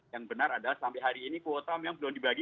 yang benar adalah sampai hari ini kuota memang belum dibagi